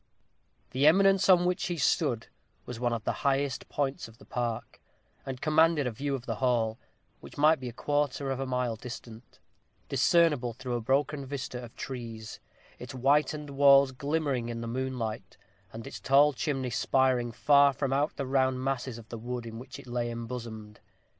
The eminence on which he stood was one of the highest points of the park, and commanded a view of the hall, which might be a quarter of a mile distant, discernible through a broken vista of trees, its whitened walls glimmering in the moonlight, and its tall chimney spiring far from out the round masses of wood in which it lay embosomed.